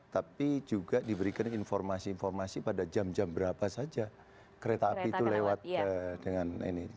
tapi juga diberikan informasi informasi pada jam jam berapa saja kereta api itu lewat dengan ini